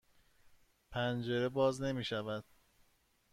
پنجره باز نمی شود.